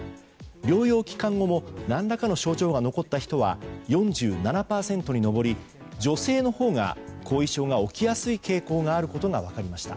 療養期間後も何らかの症状が残った人は４７％に上り女性のほうが後遺症が起きやすい傾向があることが分かりました。